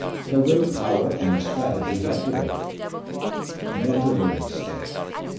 Her will power and strategy had prevailed; Mortimer would stay.